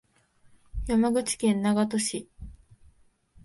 山口県長門市